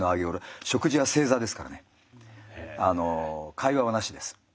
会話はなしです。